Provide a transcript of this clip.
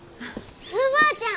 すーばあちゃん！